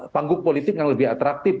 panggung politik yang lebih atraktif